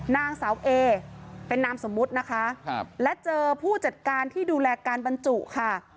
นางสาวเอเป็นนามสมมุตินะคะและเจอผู้จัดการที่ดูแลการบรรจุค่ะ